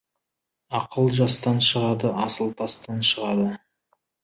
Ақыл жастан шығады, асыл тастан шығады.